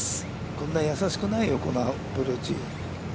これは易しくないよ、このアプローチ。